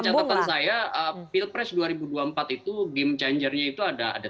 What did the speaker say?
karena dalam catatan saya pilpres dua ribu dua puluh empat itu game changernya itu ada tiga ya